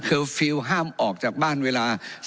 เคอร์ฟิลล์ห้ามออกจากบ้านเวียด